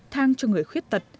thang cho người khuyết tật